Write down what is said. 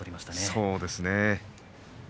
そうですね。